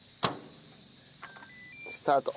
スタート。